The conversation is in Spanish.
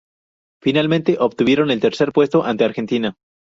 Finalmente obtuvieron el tercer puesto ante Argentina.